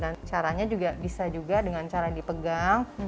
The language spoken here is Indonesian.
dan caranya juga bisa juga dengan cara dipegang